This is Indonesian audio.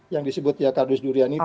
yang disebut zikardus durian itu